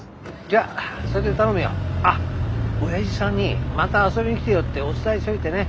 じゃああっ親父さんに「また遊びに来てよ」ってお伝えしといてね。